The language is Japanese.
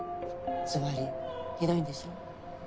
つわりひどいんでしょ？